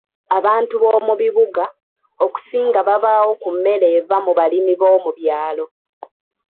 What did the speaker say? Abantu b'omu bibuga, okusinga babaawo ku mmere eva mu balimi b'omu byalo.